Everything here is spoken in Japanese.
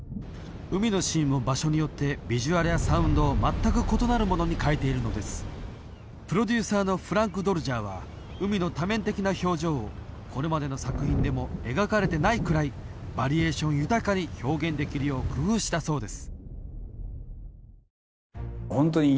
海のシーンも場所によってビジュアルやサウンドを全く異なるものに変えているのですプロデューサーのフランク・ドルジャーは海の多面的な表情をこれまでの作品でも描かれてないくらいバリエーション豊かに表現できるよう工夫したそうです